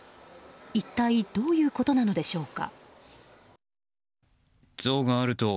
一体どういうことなのでしょうか。